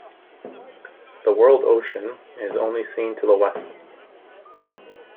The World Ocean is only seen to the west.